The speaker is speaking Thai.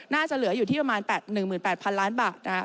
น่าจะเหลืออยู่ที่ประมาณ๑๘๐๐๐ล้านบาท